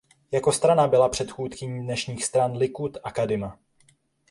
Jako strana byla předchůdkyní dnešních stran Likud a Kadima.